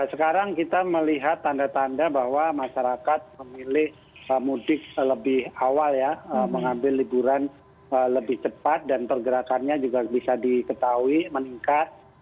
sekarang kita melihat tanda tanda bahwa masyarakat memilih mudik lebih awal ya mengambil liburan lebih cepat dan pergerakannya juga bisa diketahui meningkat